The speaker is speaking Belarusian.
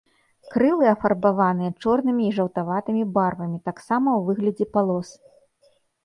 Крылы афарбаваныя чорнымі і жаўтаватымі барвамі, таксама ў выглядзе палос.